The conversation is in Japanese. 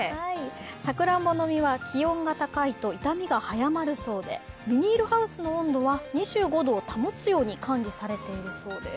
さくらんぼの実は気温が高いと傷みが早まるそうでビニールハウスの温度は２５度を保つように管理されているそうです。